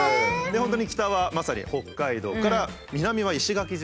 本当に北はまさに北海道から南は石垣島。